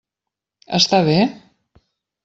Està bé?